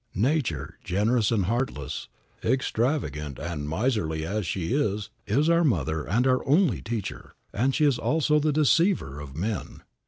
Nature, generous and heartless, extravagant and miserly as she is, is our mother and our only teacher, and she is also the deceiver of men.